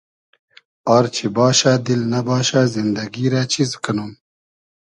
آر چی باشۂ دیل نئباشۂ زیندئگی رۂ چیز کئنوم